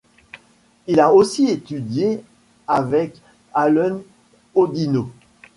Il a aussi étudié avec Alun Hoddinott.